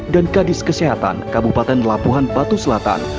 dan kadis kesehatan kabupaten labuhan batu selatan